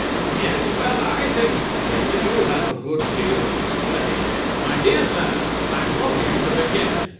CRAWSHAW. Yes. Well, I think, Mr. Clifton, you have a good deal to explain CLIFTON. My dear sir, I'm longing to begin.